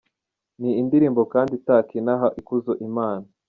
Ni indirimbo kandi itaka inaha Ikuzo Imana.